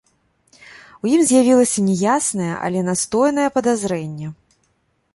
У ім з'явілася няяснае, але настойнае падазрэнне.